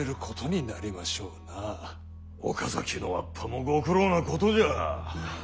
岡崎のわっぱもご苦労なことじゃ。